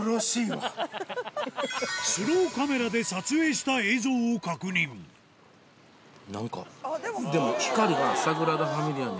スローカメラで撮影した映像を確認なんかでも。